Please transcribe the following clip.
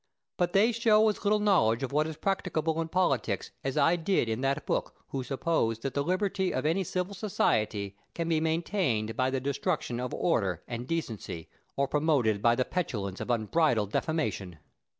But they show as little knowledge of what is practicable in politics as I did in that book, who suppose that the liberty of any civil society can be maintained by the destruction of order and decency or promoted by the petulance of unbridled defamation.